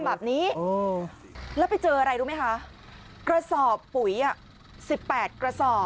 แบบนี้แล้วไปเจออะไรรู้ไหมคะกระสอบปุ๋ยอ่ะสิบแปดกระสอบ